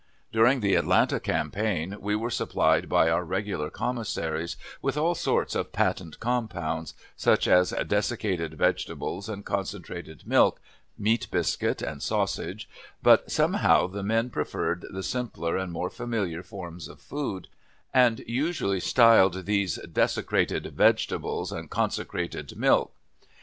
During the Atlanta campaign we were supplied by our regular commissaries with all sorts of patent compounds, such as desiccated vegetables, and concentrated milk, meat biscuit, and sausages, but somehow the men preferred the simpler and more familiar forms of food, and usually styled these "desecrated vegetables and consecrated milk."